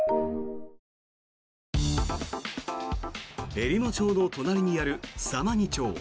えりも町の隣にある様似町。